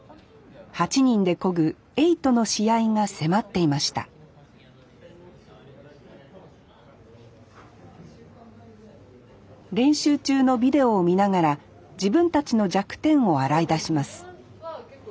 ８人で漕ぐ「エイト」の試合が迫っていました練習中のビデオを見ながら自分たちの弱点を洗い出します